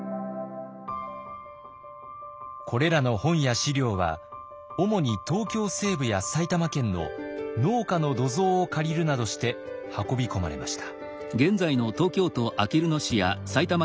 これらの本や史料は主に東京西部や埼玉県の農家の土蔵を借りるなどして運び込まれました。